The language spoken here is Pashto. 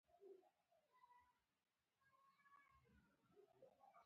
د چاغي له لاسه یې ججوری درلود.